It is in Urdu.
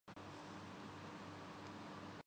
‘وہ ویسے ہی رہیں گے۔